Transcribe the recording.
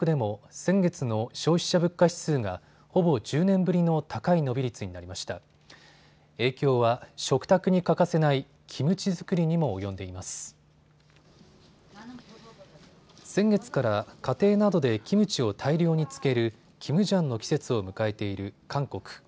先月から家庭などでキムチを大量に漬けるキムジャンの季節を迎えている韓国。